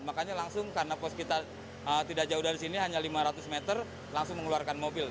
makanya langsung karena pos kita tidak jauh dari sini hanya lima ratus meter langsung mengeluarkan mobil